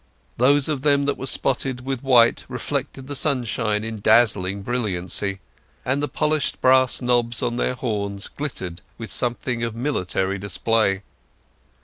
Those of them that were spotted with white reflected the sunshine in dazzling brilliancy, and the polished brass knobs of their horns glittered with something of military display.